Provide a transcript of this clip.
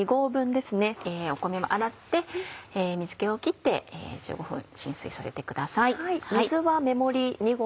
米は洗って水気を切って１５分浸水させてください。